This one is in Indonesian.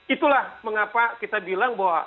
itulah mengapa kita bilang bahwa